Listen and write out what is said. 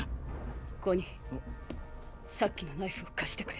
コニーさっきのナイフを貸してくれ。